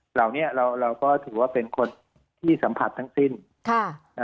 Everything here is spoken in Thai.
เหล่านี้เราก็ถือว่าเป็นคนที่สัมผัสทั้งสิ้น